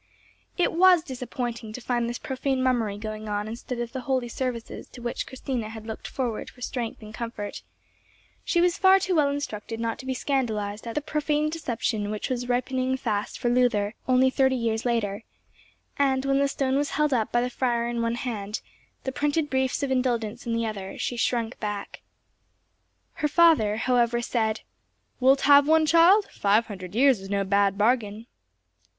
It was disappointing to find this profane mummery going on instead of the holy services to which Christina had looked forward for strength and comfort; she was far too well instructed not to be scandalized at the profane deception which was ripening fast for Luther, only thirty years later; and, when the stone was held up by the friar in one hand, the printed briefs of indulgence in the other, she shrunk back. Her father however said, "Wilt have one, child? Five hundred years is no bad bargain."